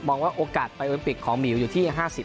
มองว่าโอกาสไปอลิมปิกของมิวอยู่ที่๕๐๕๐ล่ะครับ